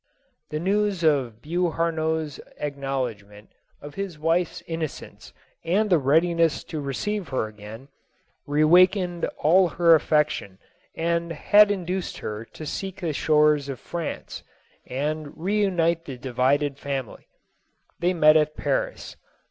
The news of Beauharnois' acknowledgment of his wife's innocence and his readiness to receive her again, reawakened all her affection and had induced her to seek the shores of France, and reunite the divided family. They met at Paris.